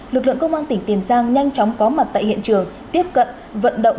lực lượng công an tỉnh tiền giang nhanh chóng có mặt tại hiện trường tiếp cận vận động